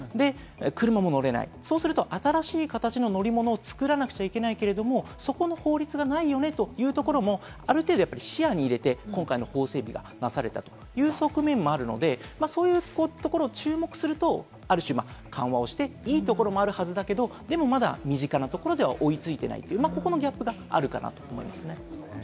車も乗れない、そうすると新しい形の乗り物を作らなくちゃいけないけれども、そこの法律がないよねというところも、ある程度、視野に入れて、今回の法整備がなされたという側面もあるので、そういうところを注目すると、ある種、緩和をしていいところもあるはずだけど、でもまだ身近なところでは追いついていない、ここのギャップがあるかと思います。